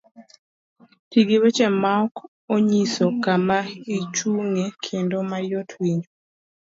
Ti gi weche maok onyiso kama ichung'ye kendo mayot winjo.